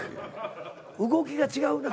動きが違うな。